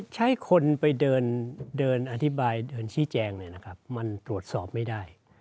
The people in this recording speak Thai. ใช้คนไปเดินอธิบายเดินชี้แจงเลยนะครับมันตรวจสอบไม่ได้